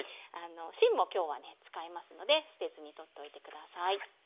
芯も今日はね使いますので捨てずに取っといて下さい。